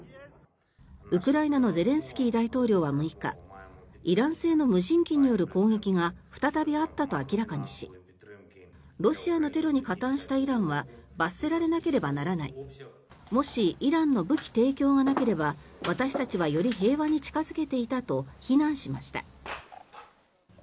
ウクライナのゼレンスキー大統領は６日イラン製の無人機による攻撃が再びあったと明らかにしロシアのテロに加担したイランは罰せられなければならないもしイランの武器提供がなければ私たちはより平和に近付けていたと非難しました。